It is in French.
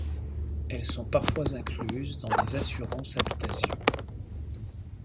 Elles sont parfois incluses dans des assurances-habitation.